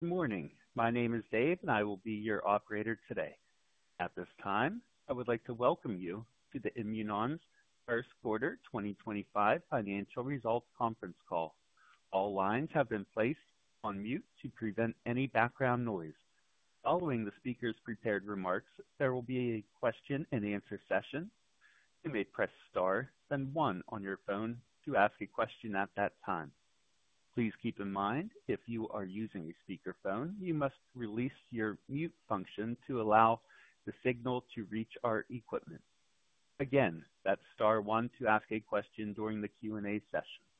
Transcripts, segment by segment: Good morning. My name is Dave, and I will be your operator today. At this time, I would like to welcome you to the Imunon's First Quarter 2025 Financial Results conference call. All lines have been placed on mute to prevent any background noise. Following the speaker's prepared remarks, there will be a question-and-answer session. You may press star, then one on your phone to ask a question at that time. Please keep in mind, if you are using a speakerphone, you must release your mute function to allow the signal to reach our equipment. Again, that's star one to ask a question during the Q&A session.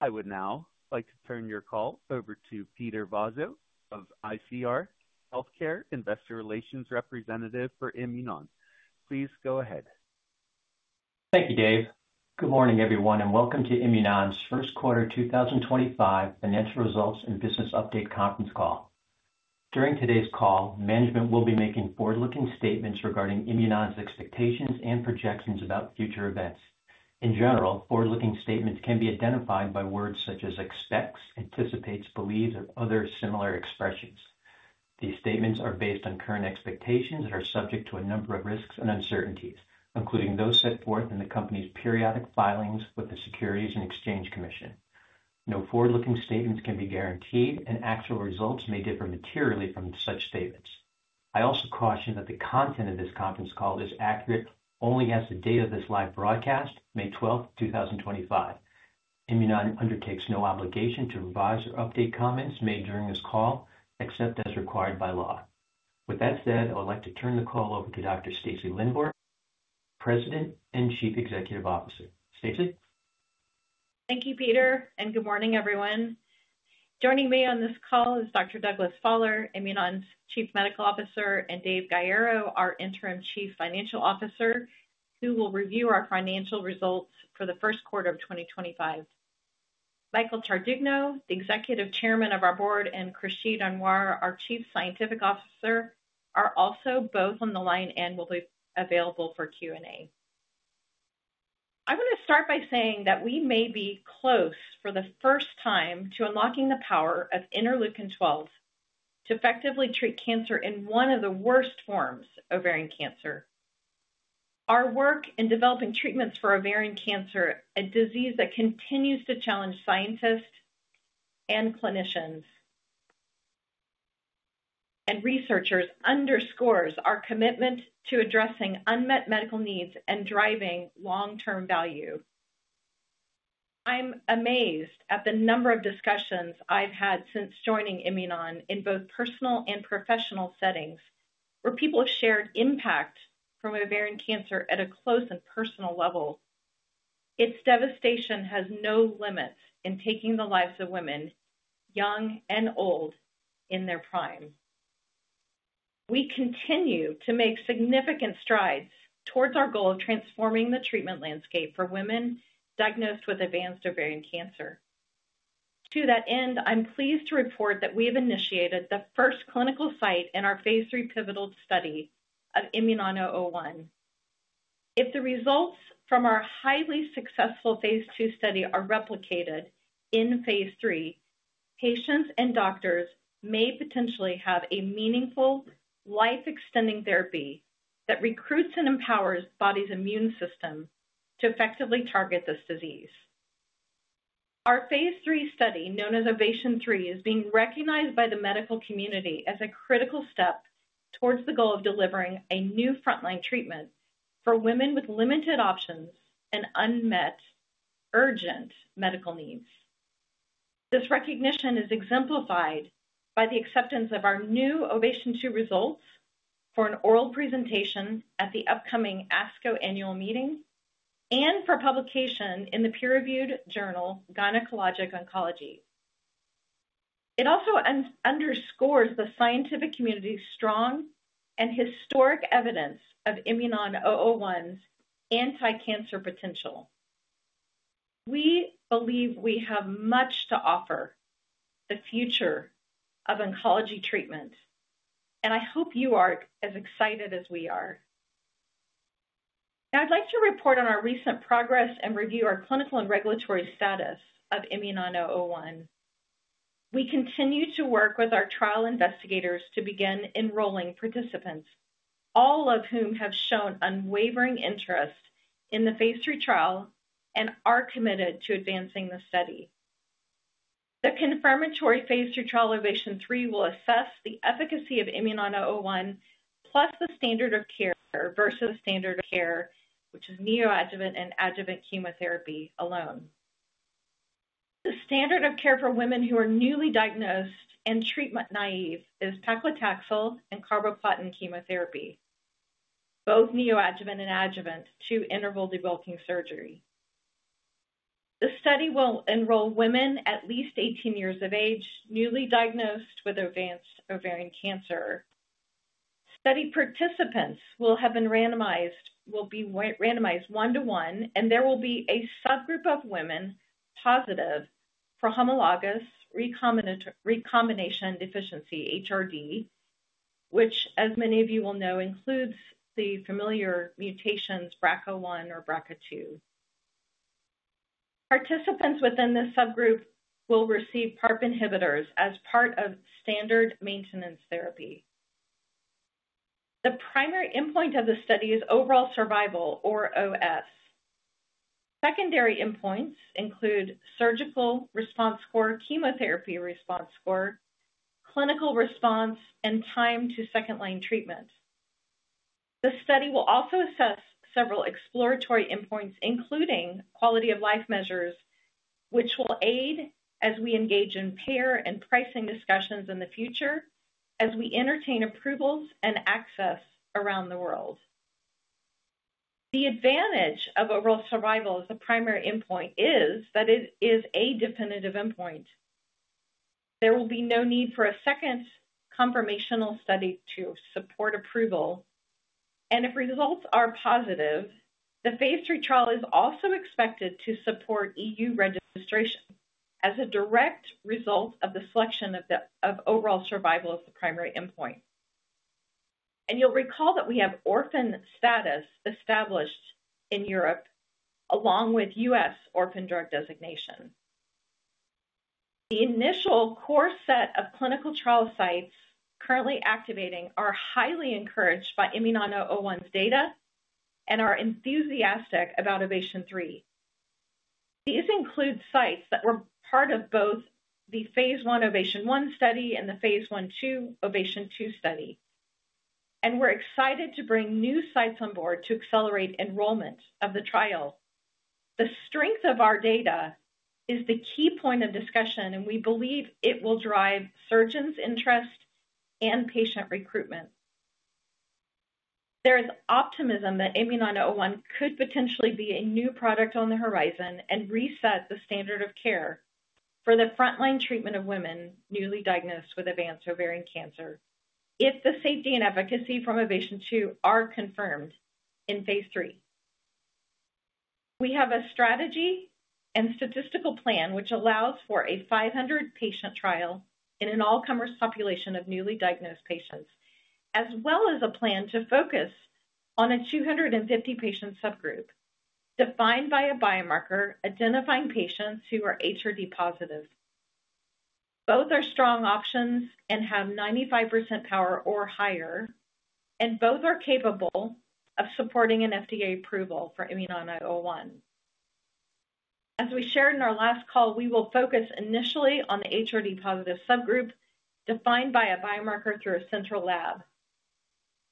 I would now like to turn your call over to Peter Vozzo of ICR Healthcare Investor Relations Representative for Imunon. Please go ahead. Thank you, Dave. Good morning, everyone, and welcome to Imunon's First Quarter 2025 Financial Results and Business Update Conference Call. During today's call, management will be making forward-looking statements regarding Imunon's expectations and projections about future events. In general, forward-looking statements can be identified by words such as expects, anticipates, believes, or other similar expressions. These statements are based on current expectations and are subject to a number of risks and uncertainties, including those set forth in the company's periodic filings with the Securities and Exchange Commission. No forward-looking statements can be guaranteed, and actual results may differ materially from such statements. I also caution that the content of this conference call is accurate only as the date of this live broadcast, May 12, 2025. Imunon undertakes no obligation to revise or update comments made during this call except as required by law. With that said, I would like to turn the call over to Dr. Stacy Lindborg, President and Chief Executive Officer. Stacy. Thank you, Peter, and good morning, everyone. Joining me on this call is Dr. Douglas Faller, Imunon's Chief Medical Officer, and Dave Gaiero, our Interim Chief Financial Officer, who will review our financial results for the first quarter of 2025. Michael Tardugno, the Executive Chairman of our board, and Khursheed Anwer, our Chief Scientific Officer, are also both on the line and will be available for Q&A. I want to start by saying that we may be close, for the first time, to unlocking the power of Interleukin-12 to effectively treat cancer in one of the worst forms, ovarian cancer. Our work in developing treatments for ovarian cancer, a disease that continues to challenge scientists and clinicians and researchers, underscores our commitment to addressing unmet medical needs and driving long-term value. I'm amazed at the number of discussions I've had since joining Imunon in both personal and professional settings where people have shared impact from ovarian cancer at a close and personal level. Its devastation has no limits in taking the lives of women, young and old, in their prime. We continue to make significant strides towards our goal of transforming the treatment landscape for women diagnosed with advanced ovarian cancer. To that end, I'm pleased to report that we have initiated the first clinical site in our phase III pivotal study of IMUNON-001. If the results from our highly successful phase II study are replicated in phase III, patients and doctors may potentially have a meaningful life-extending therapy that recruits and empowers the body's immune system to effectively target this disease. Our phase III study, known as OVATION III, is being recognized by the medical community as a critical step towards the goal of delivering a new frontline treatment for women with limited options and unmet urgent medical needs. This recognition is exemplified by the acceptance of our new OVATION II results for an oral presentation at the upcoming ASCO Annual Meeting and for publication in the peer-reviewed journal Gynecologic Oncology. It also underscores the scientific community's strong and historic evidence of IMUNON-001's anti-cancer potential. We believe we have much to offer the future of oncology treatment, and I hope you are as excited as we are. Now, I'd like to report on our recent progress and review our clinical and regulatory status of IMUNON-001. We continue to work with our trial investigators to begin enrolling participants, all of whom have shown unwavering interest in the phase III trial and are committed to advancing the study. The confirmatory phase III trial OVATION III will assess the efficacy of IMUNON-001 plus the standard of care versus the standard of care, which is neoadjuvant and adjuvant chemotherapy alone. The standard of care for women who are newly diagnosed and treatment naive is paclitaxel and carboplatin chemotherapy, both neoadjuvant and adjuvant to interval debulking surgery. The study will enroll women at least 18 years of age newly diagnosed with advanced ovarian cancer. Study participants will have been randomized one-to-one, and there will be a subgroup of women positive for homologous recombination deficiency, HRD, which, as many of you will know, includes the familiar mutations BRCA1 or BRCA2. Participants within this subgroup will receive PARP inhibitors as part of standard maintenance therapy. The primary endpoint of the study is overall survival, or OS. Secondary endpoints include surgical response score, chemotherapy response score, clinical response, and time to second-line treatment. The study will also assess several exploratory endpoints, including quality of life measures, which will aid as we engage in payer and pricing discussions in the future as we entertain approvals and access around the world. The advantage of overall survival as the primary endpoint is that it is a definitive endpoint. There will be no need for a second confirmational study to support approval. If results are positive, the phase III trial is also expected to support EU registration as a direct result of the selection of overall survival as the primary endpoint. You'll recall that we have orphan status established in Europe, along with U.S. Orphan drug designation. The initial core set of clinical trial sites currently activating are highly encouraged by IMUNON-001's data and are enthusiastic about OVATION III. These include sites that were part of both the phase I OVATION I study and the phase II OVATION II study. We're excited to bring new sites on board to accelerate enrollment of the trial. The strength of our data is the key point of discussion, and we believe it will drive surgeons' interest and patient recruitment. There is optimism that IMUNON-001 could potentially be a new product on the horizon and reset the standard of care for the frontline treatment of women newly diagnosed with advanced ovarian cancer if the safety and efficacy from OVATION II are confirmed in phase III. We have a strategy and statistical plan which allows for a 500-patient trial in an all-comers population of newly diagnosed patients, as well as a plan to focus on a 250-patient subgroup defined by a biomarker identifying patients who are HRD positive. Both are strong options and have 95% power or higher, and both are capable of supporting an FDA approval for IMUNON-001. As we shared in our last call, we will focus initially on the HRD-positive subgroup defined by a biomarker through a central lab.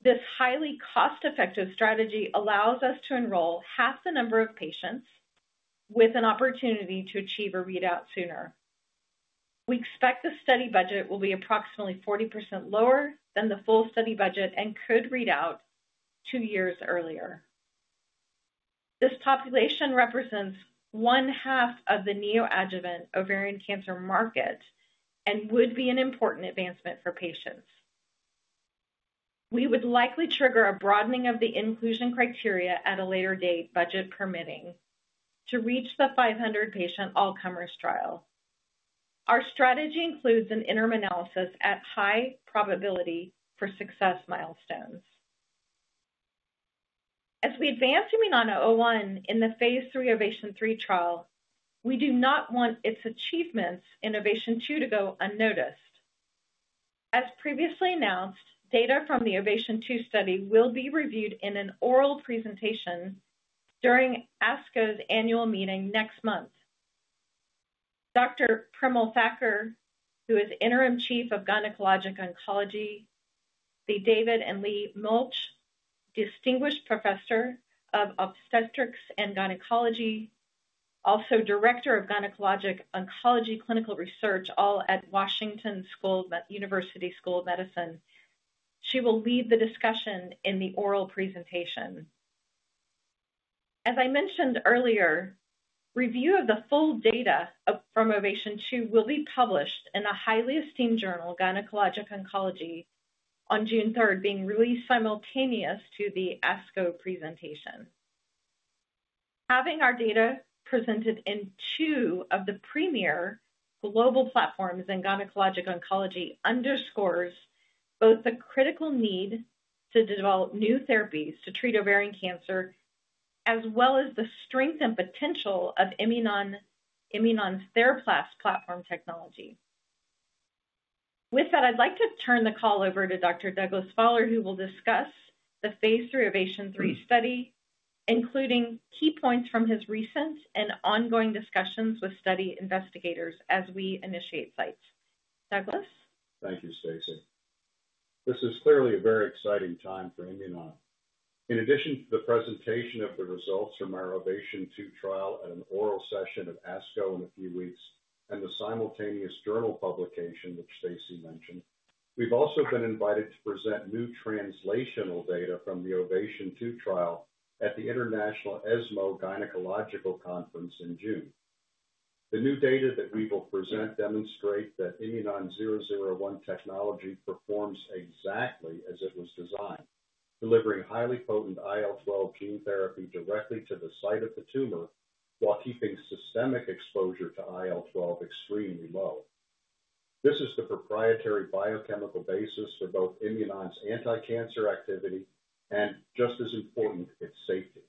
This highly cost-effective strategy allows us to enroll half the number of patients with an opportunity to achieve a readout sooner. We expect the study budget will be approximately 40% lower than the full study budget and could read out two years earlier. This population represents one-half of the neoadjuvant ovarian cancer market and would be an important advancement for patients. We would likely trigger a broadening of the inclusion criteria at a later date, budget permitting, to reach the 500-patient all-comers trial. Our strategy includes an interim analysis at high probability for success milestones. As we advance IMUNON-001 in the phase III OVATION III trial, we do not want its achievements in OVATION II to go unnoticed. As previously announced, data from the OVATION II study will be reviewed in an oral presentation during ASCO's Annual Meeting next month. Dr. Premal Thaker, who is Interim Chief of Gynecologic Oncology, the David and Lee Mulcahy Distinguished Professor of Obstetrics and Gynecology, also Director of Gynecologic Oncology Clinical Research, all at Washington University School of Medicine, she will lead the discussion in the oral presentation. As I mentioned earlier, review of the full data from OVATION II will be published in a highly esteemed journal, Gynecologic Oncology, on June 13, being released simultaneous to the ASCO presentation. Having our data presented in two of the premier global platforms in gynecologic oncology underscores both the critical need to develop new therapies to treat ovarian cancer as well as the strength and potential of Imunon's TheraPlas platform technology. With that, I'd like to turn the call over to Dr. Douglas Faller, who will discuss the phase III OVATION III study, including key points from his recent and ongoing discussions with study investigators as we initiate sites. Douglas? Thank you, Stacy. This is clearly a very exciting time for Imunon. In addition to the presentation of the results from our OVATION II trial at an oral session at ASCO in a few weeks and the simultaneous journal publication which Stacy mentioned, we've also been invited to present new translational data from the OVATION II trial at the International ESMO Gynecological Conference in June. The new data that we will present demonstrate that IMUNON-001 technology performs exactly as it was designed, delivering highly potent IL-12 gene therapy directly to the site of the tumor while keeping systemic exposure to IL-12 extremely low. This is the proprietary biochemical basis for both Imunon's anti-cancer activity and, just as important, its safety.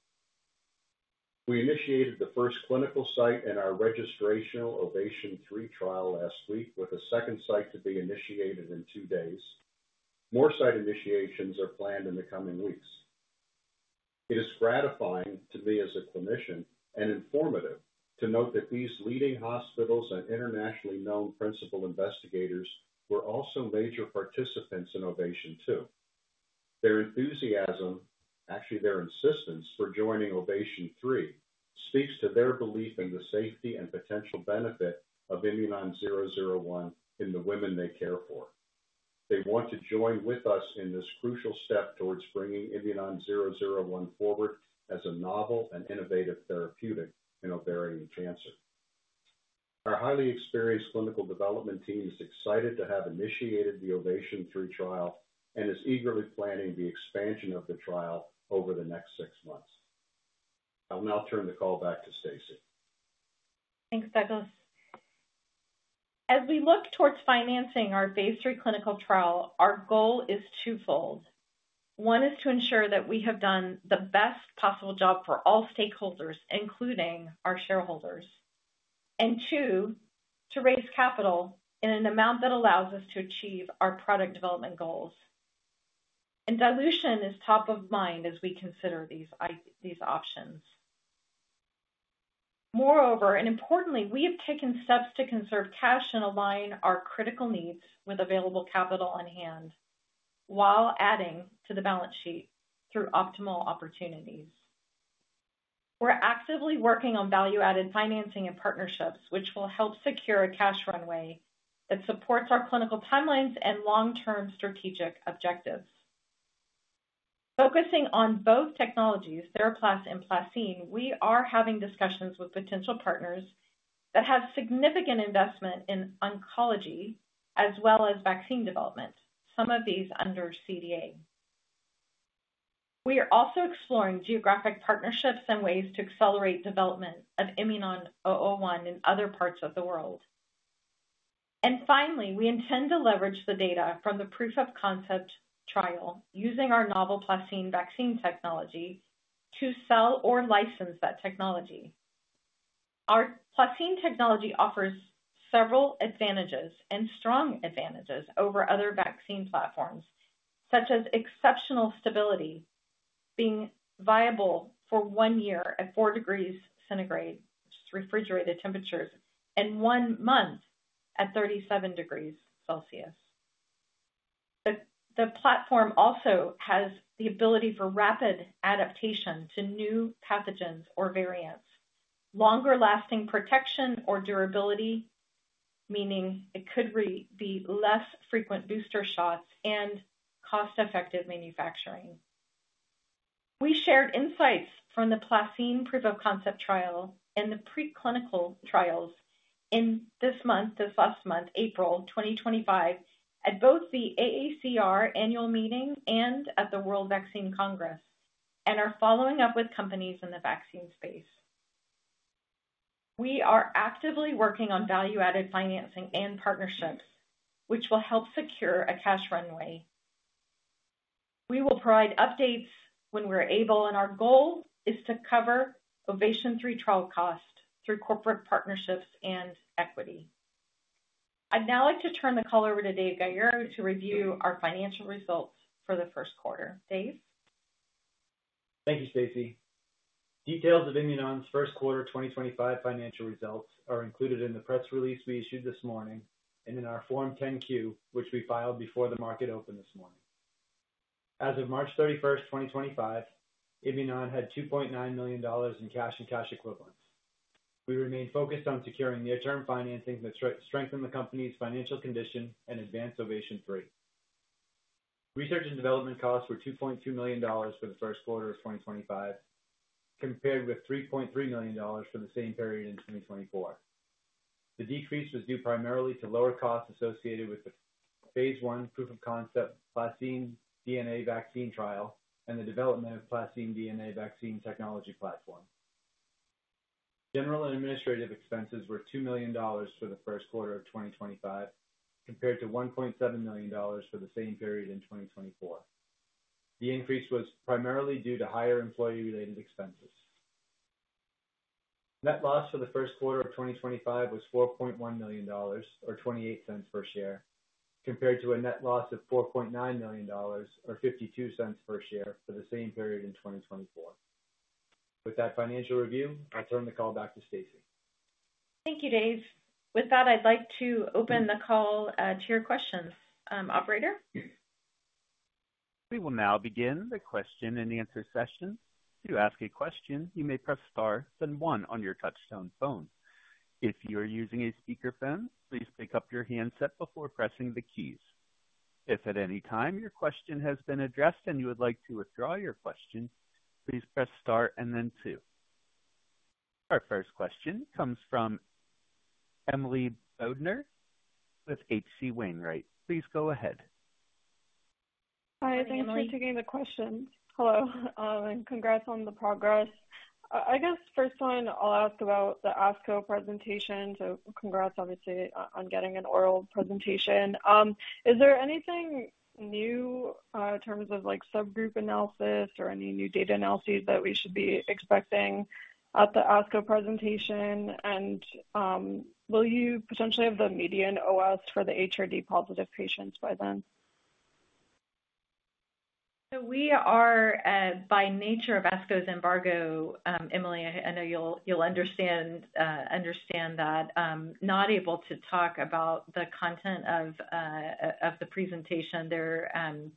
We initiated the first clinical site in our registrational OVATION III trial last week, with a second site to be initiated in two days. More site initiations are planned in the coming weeks. It is gratifying to me as a clinician and informative to note that these leading hospitals and internationally known principal investigators were also major participants in OVATION II. Their enthusiasm, actually their insistence for joining OVATION III, speaks to their belief in the safety and potential benefit of IMUNON-001 in the women they care for. They want to join with us in this crucial step towards bringing IMUNON-001 forward as a novel and innovative therapeutic in ovarian cancer. Our highly experienced clinical development team is excited to have initiated the OVATION III trial and is eagerly planning the expansion of the trial over the next six months. I'll now turn the call back to Stacy. Thanks, Douglas. As we look towards financing our phase III clinical trial, our goal is twofold. One is to ensure that we have done the best possible job for all stakeholders, including our shareholders. Two, to raise capital in an amount that allows us to achieve our product development goals. Dilution is top of mind as we consider these options. Moreover, and importantly, we have taken steps to conserve cash and align our critical needs with available capital on hand while adding to the balance sheet through optimal opportunities. We're actively working on value-added financing and partnerships, which will help secure a cash runway that supports our clinical timelines and long-term strategic objectives. Focusing on both technologies, TheraPlas and PlaCCine, we are having discussions with potential partners that have significant investment in oncology as well as vaccine development, some of these under CDA. We are also exploring geographic partnerships and ways to accelerate development of IMUNON-001 in other parts of the world. Finally, we intend to leverage the data from the proof of concept trial using our novel PlaCCine vaccine technology to sell or license that technology. Our PlaCCine technology offers several advantages and strong advantages over other vaccine platforms, such as exceptional stability, being viable for one year at 4 ° Centigrade refrigerated temperatures and one month at 37 ° degrees Celsius. The platform also has the ability for rapid adaptation to new pathogens or variants, longer-lasting protection or durability, meaning it could be less frequent booster shots and cost-effective manufacturing. We shared insights from the PlaCCine proof of concept trial and the preclinical trials this month, this last month, April 2025, at both the AACR Annual Meeting and at the World Vaccine Congress, and are following up with companies in the vaccine space. We are actively working on value-added financing and partnerships, which will help secure a cash runway. We will provide updates when we're able, and our goal is to cover OVATION III trial cost through corporate partnerships and equity. I'd now like to turn the call over to Dave Gaiero to review our financial results for the first quarter. Dave? Thank you, Stacy. Details of Imunon's first quarter 2025 financial results are included in the press release we issued this morning and in our Form 10-Q, which we filed before the market opened this morning. As of March 31st, 2025, Imunon had $2.9 million in cash and cash equivalents. We remain focused on securing near-term financing to strengthen the company's financial condition and advance OVATION III. Research and development costs were $2.2 million for the first quarter of 2025, compared with $3.3 million for the same period in 2024. The decrease was due primarily to lower costs associated with the phase I proof of concept PlaCCine DNA Vaccine trial and the development of PlaCCine DNA Vaccine Technology platform. General and administrative expenses were $2 million for the first quarter of 2025, compared to $1.7 million for the same period in 2024. The increase was primarily due to higher employee-related expenses. Net loss for the first quarter of 2025 was $4.1 million, or $0.28 per share, compared to a net loss of $4.9 million, or $0.52 per share for the same period in 2024. With that financial review, I'll turn the call back to Stacy. Thank you, Dave. With that, I'd like to open the call to your questions, Operator. We will now begin the question-and-answer session. To ask a question, you may press star then one on your touch-tone phone. If you are using a speakerphone, please pick up your handset before pressing the keys. If at any time your question has been addressed and you would like to withdraw your question, please press star and then two. Our first question comes from Emily Bodnar with H.C. Wainwright. Please go ahead. Hi. Thanks for taking the question. Hello. And congrats on the progress. I guess first one, I'll ask about the ASCO presentation. So congrats, obviously, on getting an oral presentation. Is there anything new in terms of subgroup analysis or any new data analyses that we should be expecting at the ASCO presentation? And will you potentially have the median OS for the HRD-positive patients by then? We are, by nature of ASCO's embargo, Emily, I know you'll understand that, not able to talk about the content of the presentation. They're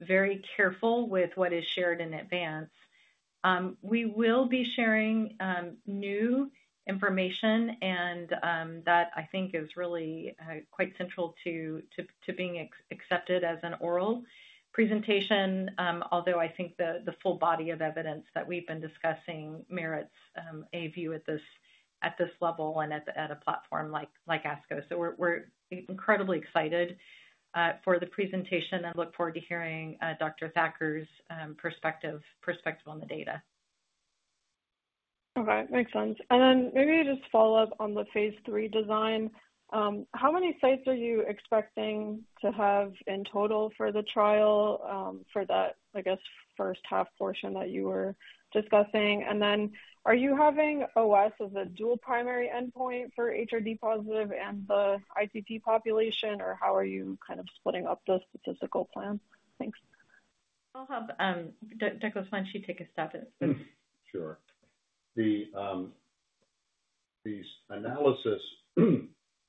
very careful with what is shared in advance. We will be sharing new information, and that, I think, is really quite central to being accepted as an oral presentation, although I think the full body of evidence that we've been discussing merits a view at this level and at a platform like ASCO. We are incredibly excited for the presentation and look forward to hearing Dr. Thaker's perspective on the data. All right. Makes sense. Maybe just follow up on the phase III design. How many sites are you expecting to have in total for the trial for that, I guess, first half portion that you were discussing? Are you having OS as a dual primary endpoint for HRD-positive and the ITP population, or how are you kind of splitting up the statistical plan? Thanks. I'll have Douglas Faller take a stab at this. Sure. The analysis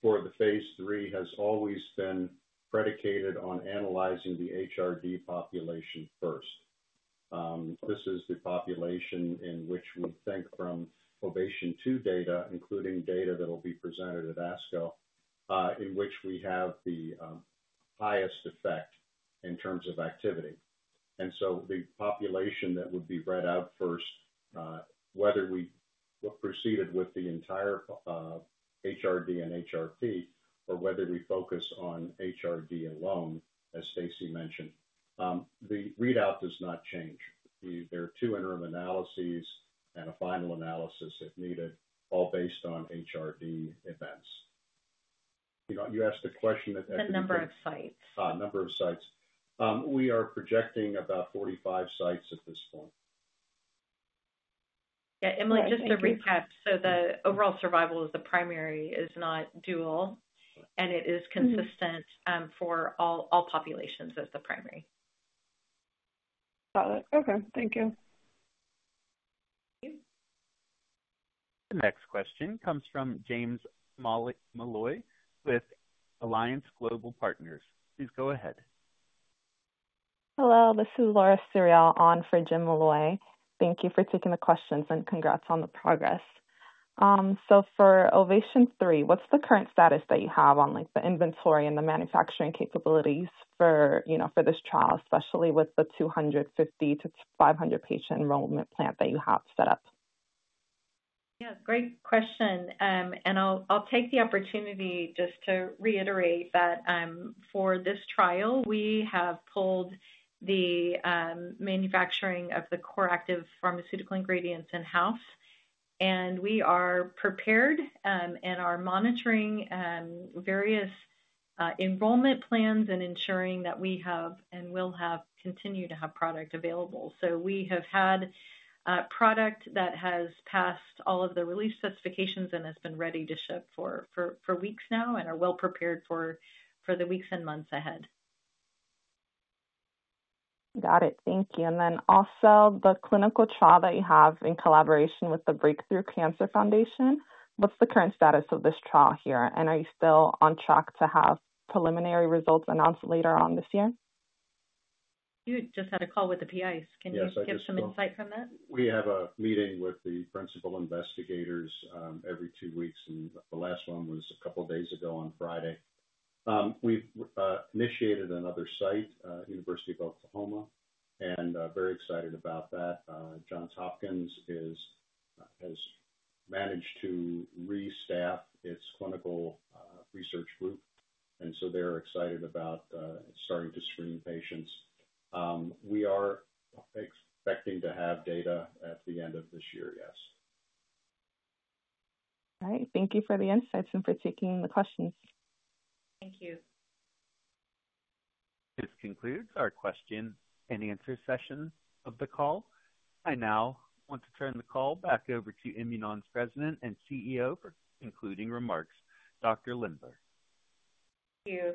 for the phase III has always been predicated on analyzing the HRD population first. This is the population in which we think from OVATION II data, including data that will be presented at ASCO, in which we have the highest effect in terms of activity. The population that would be read out first, whether we proceeded with the entire HRD and HRP, or whether we focus on HRD alone, as Stacy mentioned, the readout does not change. There are two interim analyses and a final analysis if needed, all based on HRD events. You asked the question that. The number of sites. The number of sites. We are projecting about 45 sites at this point. Yeah. Emily, just to recap, so the overall survival is the primary, is not dual, and it is consistent for all populations as the primary. Got it. Okay. Thank you. The next question comes from James Molloy with Alliance Global Partners. Please go ahead. Hello. This is Laura Suriel on for Jim Molloy. Thank you for taking the questions and congrats on the progress. For OVATION III, what's the current status that you have on the inventory and the manufacturing capabilities for this trial, especially with the 250-500 patient enrollment plan that you have set up? Yeah. Great question. I'll take the opportunity just to reiterate that for this trial, we have pulled the manufacturing of the core active pharmaceutical ingredients in-house. We are prepared and are monitoring various enrollment plans and ensuring that we have and will have continued to have product available. We have had product that has passed all of the release specifications and has been ready to ship for weeks now and are well prepared for the weeks and months ahead. Got it. Thank you. Also, the clinical trial that you have in collaboration with the Break Through Cancer Foundation, what's the current status of this trial here? Are you still on track to have preliminary results announced later on this year? You just had a call with the PIs. Can you give some insight from that? We have a meeting with the principal investigators every two weeks, and the last one was a couple of days ago on Friday. We've initiated another site, University of Oklahoma, and very excited about that. Johns Hopkins has managed to restaff its clinical research group, and so they're excited about starting to screen patients. We are expecting to have data at the end of this year, yes. All right. Thank you for the insights and for taking the questions. Thank you. This concludes our question and answer session of the call. I now want to turn the call back over to Imunon's President and CEO for concluding remarks, Dr. Lindborg. Thank you.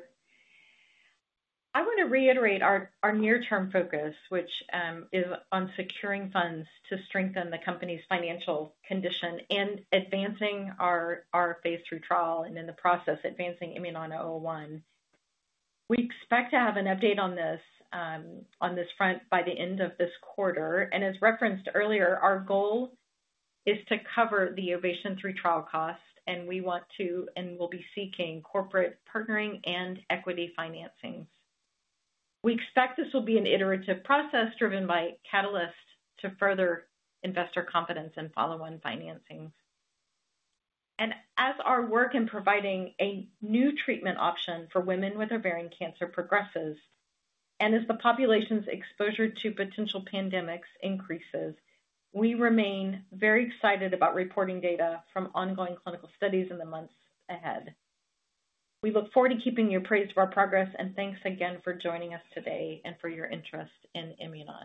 I want to reiterate our near-term focus, which is on securing funds to strengthen the company's financial condition and advancing our phase III trial and in the process, advancing IMUNON-001. We expect to have an update on this front by the end of this quarter. As referenced earlier, our goal is to cover the OVATION III trial cost, and we want to and will be seeking corporate partnering and equity financing. We expect this will be an iterative process driven by catalysts to further investor confidence and follow-on financing. As our work in providing a new treatment option for women with ovarian cancer progresses and as the population's exposure to potential pandemics increases, we remain very excited about reporting data from ongoing clinical studies in the months ahead. We look forward to keeping you apprised of our progress, and thanks again for joining us today and for your interest in Imunon.